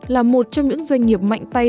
là một trong những doanh nghiệp mạnh tay